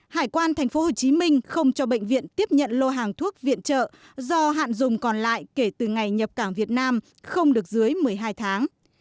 hải quan tp hcm không cho bệnh viện tiếp nhận lô hàng thuốc viện trợ do hạn dùng còn lại kể từ ngày nhập cảng việt nam không được dưới một mươi hai tháng